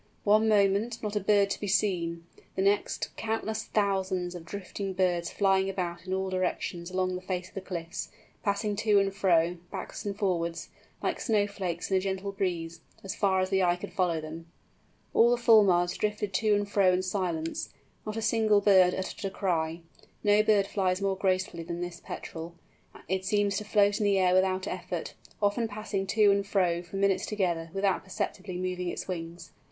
One moment, not a bird to be seen; the next, countless thousands of drifting birds flying about in all directions along the face of the cliffs, passing to and fro, backwards and forwards, like snow flakes in a gentle breeze, far as the eye could follow them! All the Fulmars drifted to and fro in silence; not a single bird uttered a cry. No bird flies more gracefully than this Petrel; it seems to float in the air without effort, often passing to and fro for minutes together without perceptibly moving its wings.